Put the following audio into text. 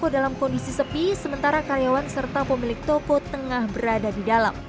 dalam kondisi sepi sementara karyawan serta pemilik toko tengah berada di dalam